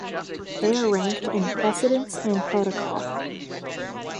They are ranked in precedence and protocol.